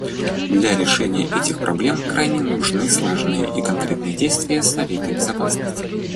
Для решения этих проблем крайне нужны слаженные и конкретные действия Совета Безопасности.